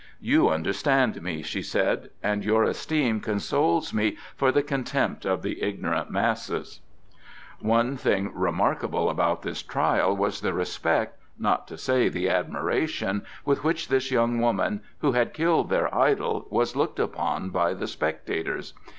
"You understood me," she said, "and your esteem consoles me for the contempt of the ignorant masses." One thing remarkable about this trial was the respect, not to say the admiration, with which this young woman, who had killed their idol, was looked upon by the spectators.